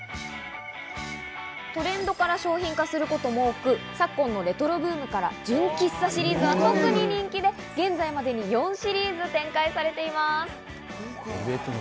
トレンドから商品化することも多く、昨今のレトロブームから純喫茶シリーズは特に人気で、現在までに４シリーズ展開されています。